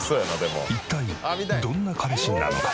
一体どんな彼氏なのか？